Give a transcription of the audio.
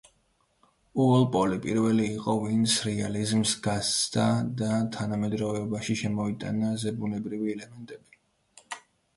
უოლპოლი პირველი იყო, ვინც რეალიზმს გასცდა და თანამედროვეობაში შემოიტანა ზებუნებრივი ელემენტები.